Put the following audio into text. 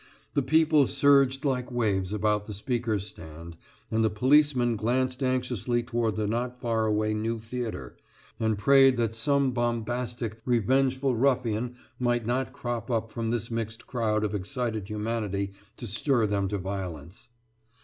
The people surged like waves about the speaker's stand, and the policemen glanced anxiously toward the not far away new theatre, and prayed that some bombastic, revengeful ruffian might not crop up from this mixed crowd of excited humanity to stir them to violence.